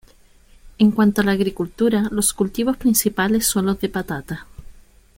En cuanto a la agricultura, los cultivos principales son los de patata.